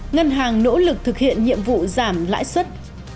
ngân hàng nỗ lực thực hiện nhiệm vụ giảm lãi suất